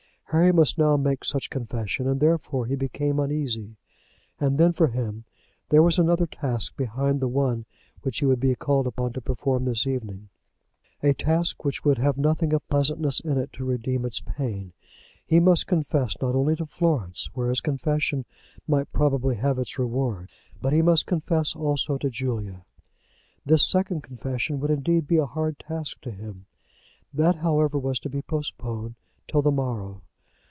Harry must now make such confession, and therefore he became uneasy. And then, for him, there was another task behind the one which he would be called upon to perform this evening, a task which would have nothing of pleasantness in it to redeem its pain. He must confess not only to Florence, where his confession might probably have its reward, but he must confess also to Julia. This second confession would, indeed, be a hard task to him. That, however, was to be postponed till the morrow.